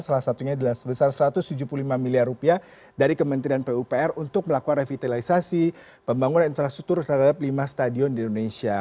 salah satunya adalah sebesar satu ratus tujuh puluh lima miliar rupiah dari kementerian pupr untuk melakukan revitalisasi pembangunan infrastruktur terhadap lima stadion di indonesia